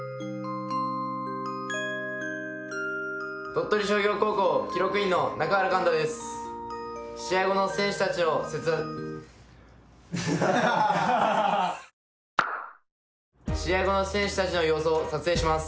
鳥取商業高校記録員の中原貫太です。